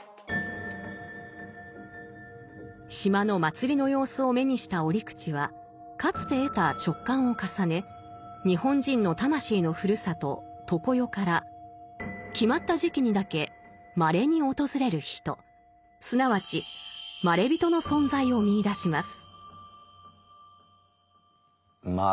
島の祭りの様子を目にした折口はかつて得た直観を重ね日本人の魂のふるさと「常世」から決まった時期にだけすなわち「まれびと」の存在を見いだします。